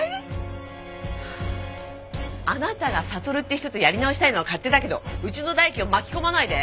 あなたがサトルって人とやり直したいのは勝手だけどうちの大樹を巻き込まないで！